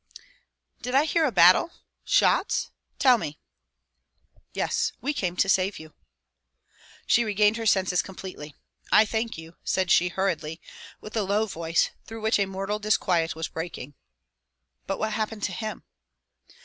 "Did I hear a battle shots? Tell me." "Yes. We came to save you." She regained her senses completely. "I thank you," said she hurriedly, with a low voice, through which a mortal disquiet was breaking. "But what happened to him?"